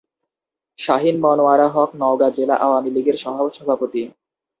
শাহিন মনোয়ারা হক নওগাঁ জেলা আওয়ামী লীগের সহসভাপতি।